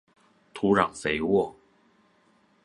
土壤肥沃